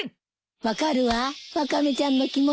分かるわワカメちゃんの気持ち。